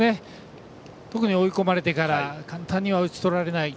特に追い込まれてから簡単には打ち取られない。